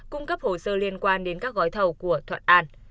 cung cấp hồ sơ liên quan đến các gói thầu của thuận an